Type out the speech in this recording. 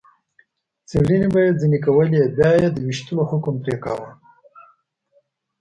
څېړنې به یې ځنې کولې، بیا به یې د وېشتلو حکم پرې کاوه.